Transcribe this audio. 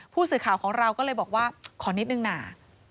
ผู้สื่อข่าวของเราก็เลยบอกว่าขอนิดนึงนะ